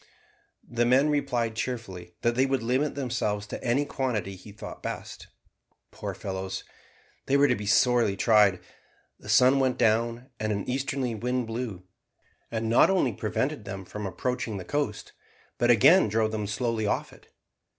The men replied cheerfully that they would limit themselves to any quantity he thought best. Poor fellows, they were to be sorely tried; the sun went down, and an easterly wind blew, and not only prevented them from approaching the coast, but again drove them slowly off it.